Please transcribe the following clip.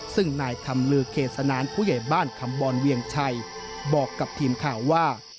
ซึ่งนายคำลือเขตสนานผู้ใหญ่บ้านคำบอลเวียงชัยบอกกับทีมข่าวว่า